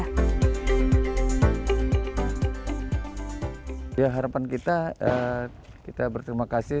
kemampuan untuk mengembangkan perusahaan dan perusahaan yang berhasil